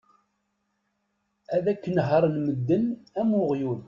Ad k-nehren medden am uɣyul